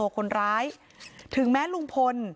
คนร้ายถึงแม้ลุงพล